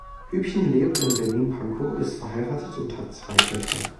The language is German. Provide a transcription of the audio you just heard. Hübchen lebt in Berlin-Pankow, ist verheiratet und hat zwei Töchter.